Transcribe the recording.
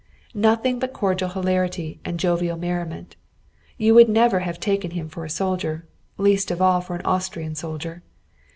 Nothing but cordial hilarity and jovial merriment, you would never have taken him for a soldier, least of all for an Austrian soldier.